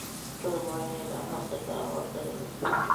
پر ما یې ناحقه دعوه کړې ده.